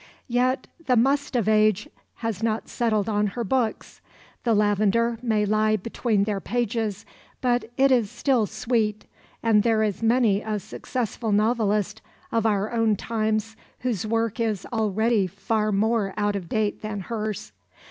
Yet the must of age has not settled on her books. The lavender may lie between their pages, but it is still sweet, and there is many a successful novelist of our own times whose work is already far more out of date than hers.